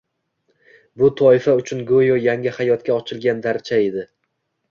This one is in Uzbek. bu toifa uchun go‘yo yangi hayotga ochilgan daricha edi